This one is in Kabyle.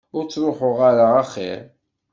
Ur ttruḥeɣ ara axir.